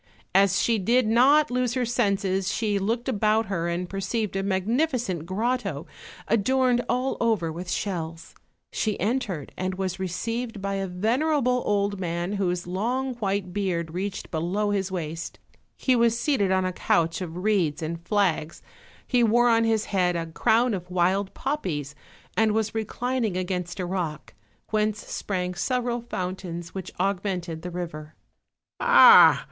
As she did not lose her senses, she looked about her, and perceived a magnificent grotto, adorned all over with shells. She entered, and was received by a venerable old man whose long white beard reached below his waist: he was seated on a couch of reeds and flags, he wore on his head a crown of wild poppies, and was reclining against a rock, whence sprang several fountains which augmented the river. 200 OLD, OLD FAIRY TALES. "Ah!